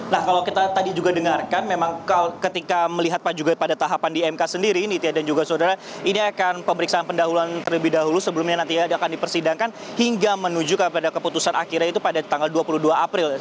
nah kalau kita tadi juga dengarkan memang ketika melihat pak juga pada tahapan di mk sendiri nitya dan juga saudara ini akan pemeriksaan pendahuluan terlebih dahulu sebelumnya nanti akan dipersidangkan hingga menuju kepada keputusan akhirnya itu pada tanggal dua puluh dua april